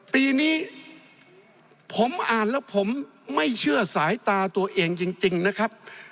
ปีนี้ผมอ่านแล้วผมไม่เชื่อสายตาตัวเองจริงนะครับ